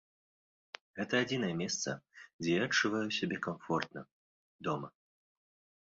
Гэта адзінае месца, дзе я адчуваю сябе камфортна, дома.